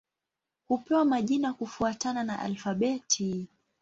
Hupewa majina kufuatana na alfabeti.